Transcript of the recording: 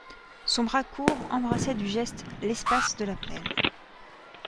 Son bras court embrassait du geste l'espace de la plaine.